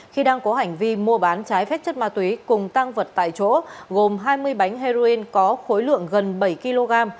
khi đang có hành vi mua bán trái phép chất ma túy cùng tăng vật tại chỗ gồm hai mươi bánh heroin có khối lượng gần bảy kg